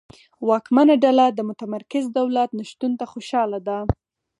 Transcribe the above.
واکمنه ډله د متمرکز دولت نشتون ته خوشاله ده.